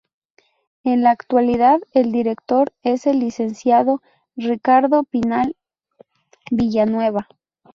En la actualidad el Director es el Licenciado Ricardo Pinal Villanueva.